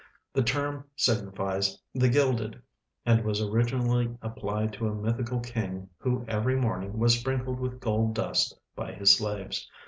The term signifies " the gilded," and was originally applied to a mythical king who every morning was sprinkled with gold dust by hi.s slaves.